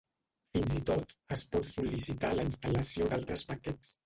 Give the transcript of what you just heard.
Fins i tot, es pot sol·licitar la instal·lació d'altres paquets.